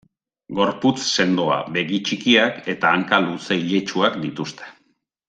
Gorputz sendoa, begi txikiak eta hanka luze iletsuak dituzte.